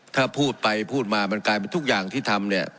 ถ้าพูดไปพูดมามันกลายเป็นทุกอย่างที่ทำเนี่ย